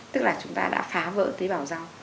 tức là chúng ta đã phá vỡ tế bào rau